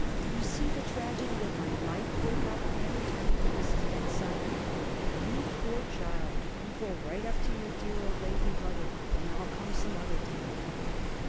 "You see the tragedy of my life?" broke out Fanny, turning to Mrs. Van Suyden. "You poor child! You go right up to your dear, old lady mother, and I'll come some other time."